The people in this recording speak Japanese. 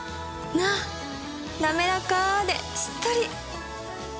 なめらかでしっとり！